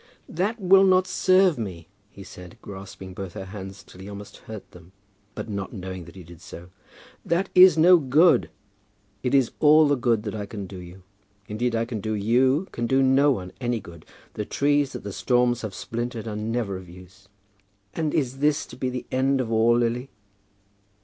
"That will not serve me," he said, grasping both her hands till he almost hurt them, but not knowing that he did so. "That is no good." "It is all the good that I can do you. Indeed I can do you, can do no one any good. The trees that the storms have splintered are never of use." "And is this to be the end of all, Lily?"